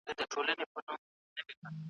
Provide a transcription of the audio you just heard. نظم ټولنه سموي.